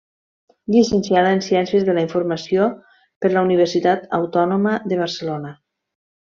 Llicenciada en Ciències de la Informació per la Universitat Autònoma de Barcelona.